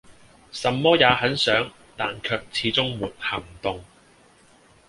什麼也很想但卻始終沒行動